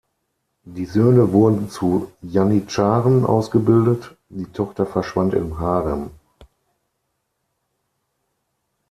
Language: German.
Die Söhne wurden zu Janitscharen ausgebildet, die Tochter verschwand im Harem.